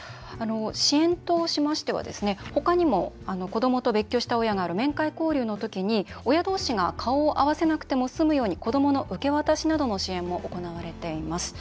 支援としましては他にも子どもと別居した親が会う面会交流の時に親同士が顔を合わせなくても済むように子どもの受け渡しなどの支援も行われています。